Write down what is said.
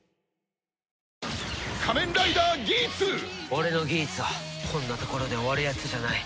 俺のギーツはこんなところで終わるやつじゃない。